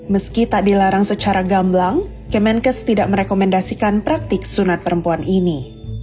meski tak dilarang secara gamblang kemenkes tidak merekomendasikan praktik sunat perempuan ini